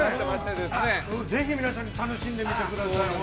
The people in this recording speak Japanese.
◆ぜひ皆さん楽しんでみてください。